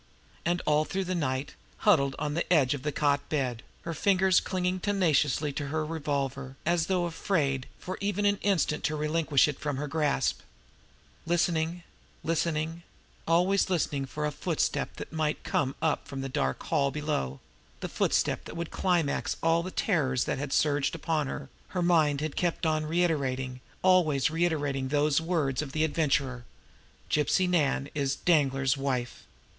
And all through that night, huddled on the edge of the cot bed, her fingers clinging tenaciously to her revolver as though afraid for even an instant to relinquish it from her grasp, listening, listening, always listening for a footstep that might come up from that dark hall below, the footstep that would climax all the terrors that had surged upon her, her mind had kept on reiterating, always reiterating those words of the Adventurer "Gypsy Nan is Danglar's wife."